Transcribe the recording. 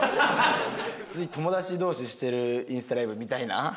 普通に友達同士でしてるインスタライブみたいな。